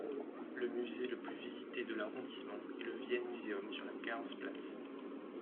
Le musée le plus visité de l'arrondissement est le Wien Museum sur la Karlsplatz.